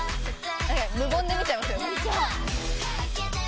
「無言で見ちゃいますよね」